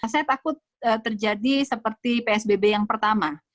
saya takut terjadi seperti psbb yang pertama